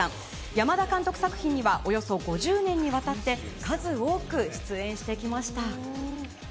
山田監督作品にはおよそ５０年にわたって数多く出演してきました。